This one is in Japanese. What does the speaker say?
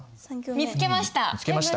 見つけました？